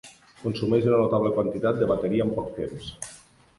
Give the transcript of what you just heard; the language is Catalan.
Consumeix una notable quantitat de bateria en poc temps.